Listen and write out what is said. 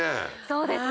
そうですね。